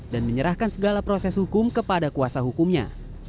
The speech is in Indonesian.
dan menyerahkan segala proses hukum kepada kuasa hukumnya